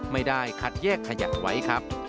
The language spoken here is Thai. ไม่ได้คัดแยกขยะไว้ครับ